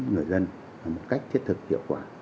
người dân một cách chất thực hiệu quả